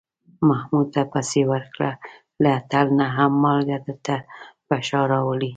محمود ته پسې ورکړه، له ټل نه هم مالگه درته په شا راوړي.